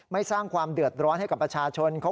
สร้างความเดือดร้อนให้กับประชาชน